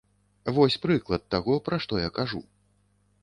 Вось прыклад таго, пра што я кажу.